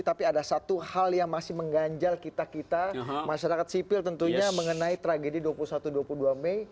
tapi ada satu hal yang masih mengganjal kita kita masyarakat sipil tentunya mengenai tragedi dua puluh satu dua puluh dua mei